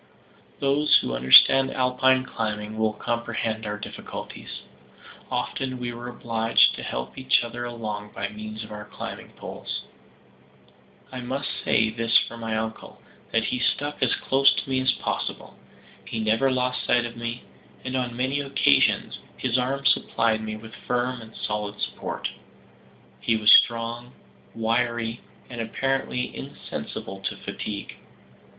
Those who understand Alpine climbing will comprehend our difficulties. Often we were obliged to help each other along by means of our climbing poles. I must say this for my uncle, that he stuck as close to me as possible. He never lost sight of me, and on many occasions his arm supplied me with firm and solid support. He was strong, wiry, and apparently insensible to fatigue.